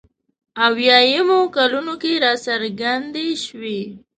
اویایمو کلونو کې راڅرګندې شوې.